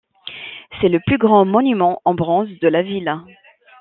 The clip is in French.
C'est le plus grand monument en bronze de la ville.